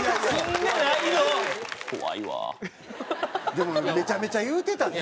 でもめちゃめちゃ言うてた。